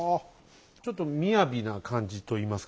ちょっと雅な感じといいますかね。